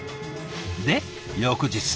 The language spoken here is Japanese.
で翌日。